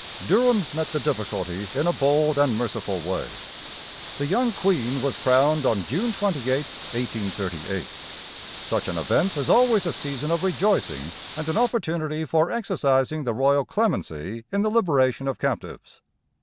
Durham met the difficulty in a bold and merciful way. The young Queen was crowned on June 28, 1838. Such an event is always a season of rejoicing and an opportunity for exercising the royal clemency in the liberation of captives.